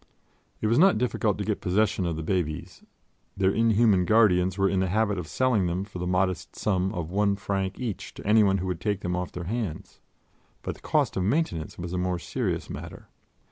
It was not difficult to get possession of the babies; their inhuman guardians were in the habit of selling them for the modest sum of one franc each to anyone who would take them off their hands. But the cost of maintenance was a more serious matter.